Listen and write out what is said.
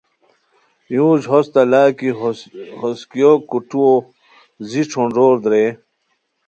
یورج ہوستہ لا کی ہوسکیو کوٹھوؤ زی ݯھونݮور درے